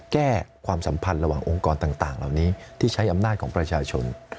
แก้ความสัมพันธ์ระหว่างองค์กรต่างเหล่านี้ที่ใช้อำนาจของประชาชน